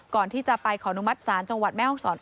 ก่อนที่จะไปขอนุมัติศาลจังหวัดแม่ห้องศร